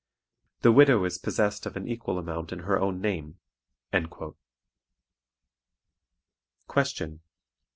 The widow is possessed of an equal amount in her own name." _Question.